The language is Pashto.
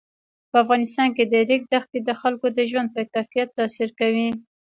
په افغانستان کې د ریګ دښتې د خلکو د ژوند په کیفیت تاثیر کوي.